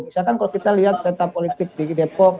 misalkan kalau kita lihat peta politik di depok